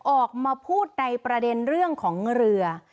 ออกมาพูดในประเด็นเรื่องของเรือ